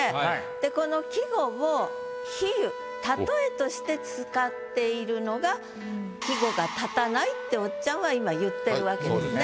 でこの季語を比喩例えとして使っているのが「季語が立たない」っておっちゃんは今言ってるわけですね。